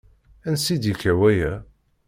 Ansa i d-yekka waya?